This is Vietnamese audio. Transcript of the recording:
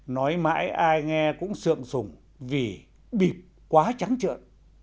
nói mãi ai nghe cũng sượng sùng vì bịp quá trắng trợn